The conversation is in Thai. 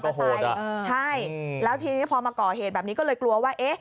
ใช่แล้วทีนี้พอมาก่อเหตุแบบนี้ก็เลยกลัวว่าเอ๊ะ